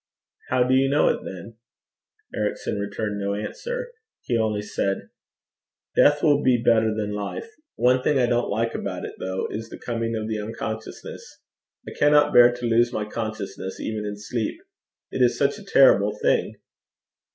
'How do you know it then?' Ericson returned no answer. He only said 'Death will be better than life. One thing I don't like about it though,' he added, 'is the coming on of unconsciousness. I cannot bear to lose my consciousness even in sleep. It is such a terrible thing!'